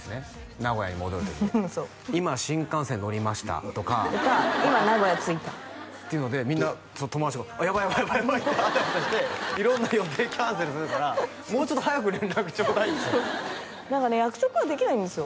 名古屋に戻る時「今新幹線乗りました」とかとか「今名古屋着いた」っていうのでみんな友達がやばいやばいやばいやばいってあたふたして色んな予定キャンセルするからもうちょっと早く連絡ちょうだいって何かね約束ができないんですよ